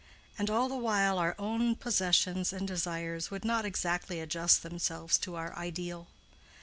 and all the while our own possessions and desires would not exactly adjust themselves to our ideal.